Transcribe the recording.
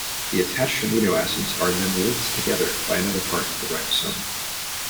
The attached amino acids are then linked together by another part of the ribosome.